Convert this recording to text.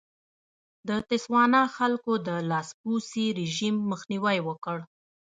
د تسوانا خلکو د لاسپوڅي رژیم مخنیوی وکړ.